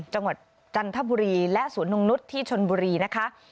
จังหวัดจันทบุรีและสวนนงนุษย์ที่ชนบุรีนะคะ